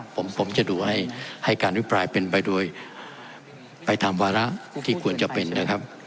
ผมจะดูให้การอภิปรายเป็นไปโดยไปตามวาระที่ควรจะเป็นนะครับ